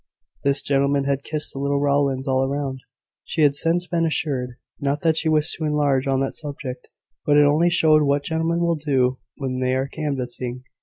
This gentleman had kissed the little Rowlands all round, she had since been assured: not that she wished to enlarge on that subject; but it only showed what gentlemen will do when they are canvassing.